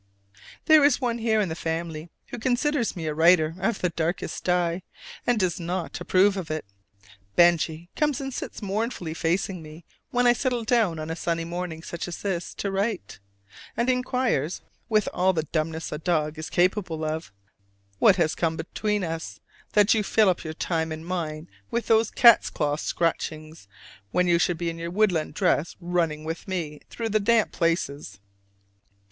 There is one here in the family who considers me a writer of the darkest dye, and does not approve of it. Benjy comes and sits most mournfully facing me when I settle down on a sunny morning, such as this, to write: and inquires, with all the dumbness a dog is capable of "What has come between us, that you fill up your time and mine with those cat's claw scratchings, when you should be in your woodland dress running [with] me through damp places?"